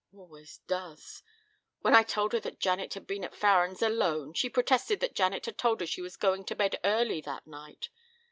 Always does. When I told her that Janet had been at Farren's alone she protested that Janet had told her she was going to bed early that night.